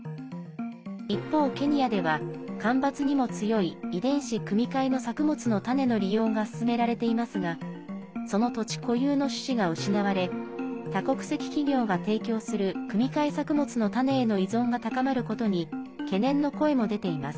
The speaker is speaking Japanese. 一方、ケニアでは干ばつにも強い遺伝子組み換えの作物の種の利用が進められていますがその土地固有の種子が失われ多国籍企業が提供する組み替え作物の種への依存が高まることに懸念の声も出ています。